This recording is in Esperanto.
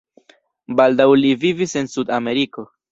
Baldaŭ li vivis en Sud-Ameriko.